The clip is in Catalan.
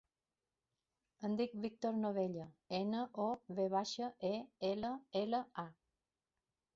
Em dic Víctor Novella: ena, o, ve baixa, e, ela, ela, a.